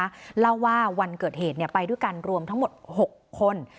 อาชินะคะเล่าว่าวันเกิดเหตุเนี่ยไปด้วยการรวมทั้งหมดหกคน